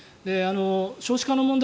少子化の問題